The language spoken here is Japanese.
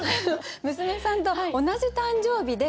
娘さんと同じ誕生日で。